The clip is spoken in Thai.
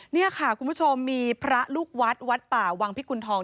นี่ค่ะคุณผู้ชมมีพระลูกวัดวัดป่าวังพิกุณฑอง